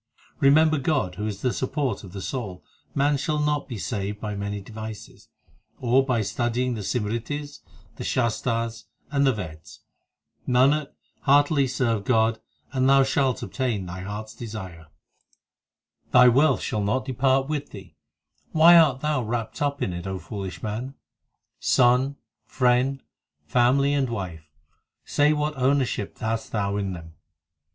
Remember God who is the support of the soul Man shall not be saved by many devices, Or by studying the Simritis, the Shastars, and the Veds. Nanak, heartily serve God, And thou shalt obtain thy heart s desire. 5 Thy wealth shall not depart with thee ; Why art thou wrapped up in it, O foolish man ? Son, friend, family, and wife Say what ownership hast thou in them.